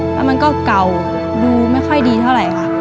แล้วมันก็เก่าดูไม่ค่อยดีเท่าไหร่ค่ะ